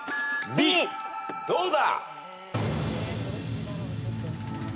どうだ？